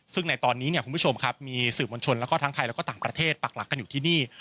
ซึ่งในตอนนี้เนี่ยคุณผู้ชมครับมีสื่อมวลชนแล้วก็ทั้งไทยแล้วก็ต่างประเทศปักหลักกันอยู่ที่นี่